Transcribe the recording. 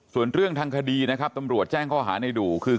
ส่วนเรื่องทางคดีนะครับตำรวจแจ้งข้อหาในดูคือ